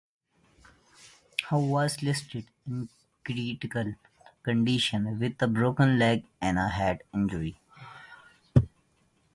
He was listed in critical condition with a broken leg and a head injury.